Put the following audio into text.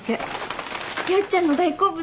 よっちゃんの大好物。